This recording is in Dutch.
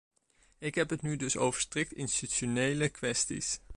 Ik heb het nu dus over strikt institutionele kwesties.